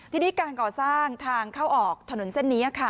ทีนี้การก่อสร้างทางเข้าออกถนนเส้นนี้ค่ะ